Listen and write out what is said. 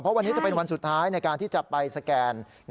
เพราะวันนี้จะเป็นวันสุดท้ายในการที่จะไปสแกน